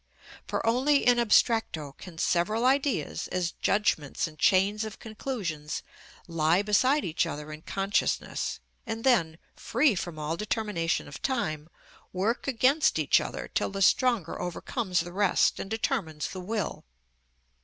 For only in abstracto can several ideas, as judgments and chains of conclusions, lie beside each other in consciousness, and then, free from all determination of time, work against each other till the stronger overcomes the rest and determines the will.